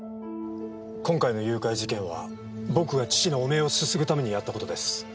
今回の誘拐事件は僕が父の汚名をすすぐためにやった事です。